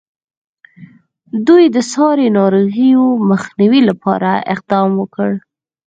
دوی د ساري ناروغیو مخنیوي لپاره اقدام وکړ.